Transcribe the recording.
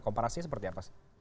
komparasi seperti apa sih